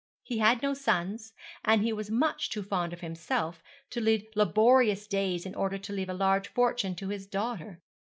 He had no sons, and he was much too fond of himself to lead laborious days in order to leave a large fortune to his daughter.